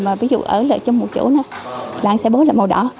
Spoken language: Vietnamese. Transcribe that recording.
mà ví dụ ở lại trong một chỗ nữa lại sẽ bớt là màu đỏ